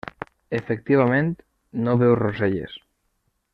Efectivament no veu roselles.